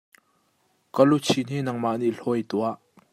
Ka luchin hi nangmah nih hlawi tuah.